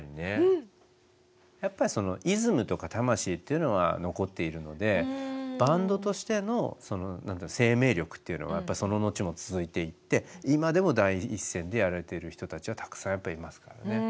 やっぱりそのイズムとか魂っていうのは残っているのでバンドとしての生命力っていうのはやっぱその後も続いていて今でも第一線でやられてる人たちはたくさんやっぱいっぱいますからね。